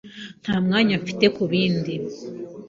Nta mwanya mfite kubindi.